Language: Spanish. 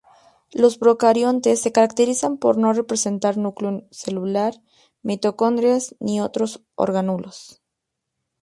Los procariontes se caracterizan por no presentar núcleo celular, mitocondrias ni otros orgánulos.